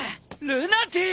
ルナティ！